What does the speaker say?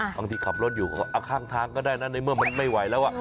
บางทีขับรถอยู่ข้างทางก็ได้นะในเมื่อมันไม่ไหวแล้ว